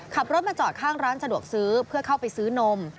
ขับรถมาจอดข้างร้านสะดวกซื้อเพื่อเข้าไปซื้อนม